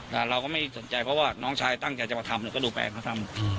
แต่เราก็ไม่สนใจเพราะว่าน้องชายตั้งใจจะมาทำเนี่ยก็ดูแฟนเขาทำ